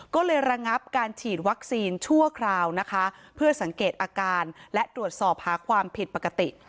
ก็เลยระงับการฉีดวัคซีนชั่วคราวนะคะเพื่อสังเกตอาการและตรวจสอบหาความผิดปกติ